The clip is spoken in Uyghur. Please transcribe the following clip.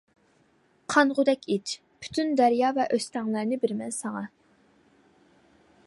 قانغۇدەك ئىچ، پۈتۈن دەريا ۋە ئۆستەڭلەرنى بېرىمەن ساڭا.